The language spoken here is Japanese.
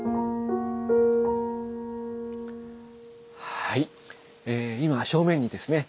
はい今正面にですね